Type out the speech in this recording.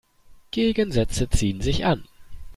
Gegensätze ziehen sich an.